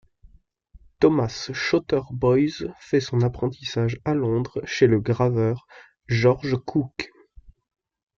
Thomas Shotter Boys fait son apprentissage à Londres chez le graveur George Cooke.